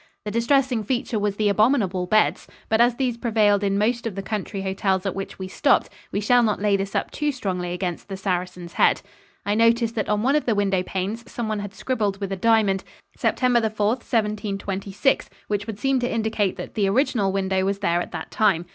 The distressing feature was the abominable beds, but as these prevailed in most of the country hotels at which we stopped we shall not lay this up too strongly against the Saracen's Head. I noticed that on one of the window panes someone had scribbled with a diamond, "Sept. 4, 1726," which would seem to indicate that the original window was there at that time.